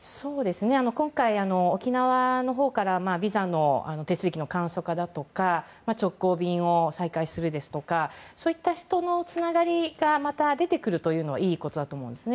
今回、沖縄のほうからビザの手続きの簡素化だとか直行便を再開するですとかそういった人のつながりがまた出てくるのはいいことだと思うんですね。